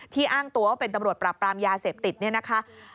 อ้างตัวว่าเป็นตำรวจปราบปรามยาเสพติดเนี่ยนะคะ